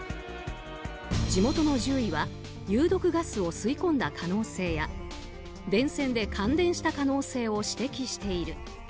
地元の獣医は有毒ガスを吸い込んだ可能性や電線で感電した可能性を指摘している。